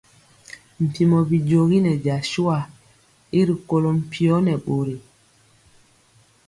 Mpiemɔ bijogi nɛ jasua y rikolɔ mpio nɛ bori.